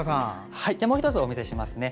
もう１つお見せしますね。